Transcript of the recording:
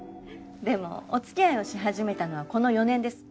でもお付き合いをし始めたのはこの４年です。